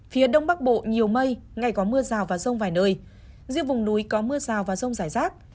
phía đông bắc bộ nhiều mây ngày có mưa rào và rông vài nơi riêng vùng núi có mưa rào và rông rải rác